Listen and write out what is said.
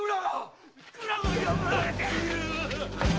・蔵が破られている！